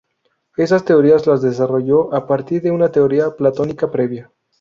Estas teorías las desarrolló a partir de una teoría platónica previa.